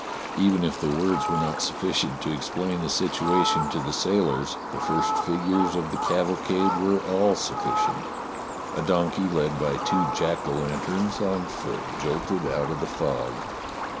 '" THE FIGHT 211 Even if the words were not sufficient to explain the situation to the sailors, the first figures of the cavalcade were all sufficient. A donkey led by two jack o' lanterns on foot jolted out of the fog.